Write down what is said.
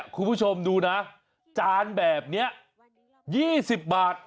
คุณผู้ชมดูนะจานแบบนี้๒๐บาท